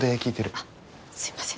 あっすいません。